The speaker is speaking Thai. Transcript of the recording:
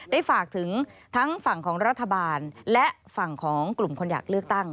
ได้ฝากถึงทั้งฝั่งของรัฐบาลและฝั่งของกลุ่มคนอยากเลือกตั้ง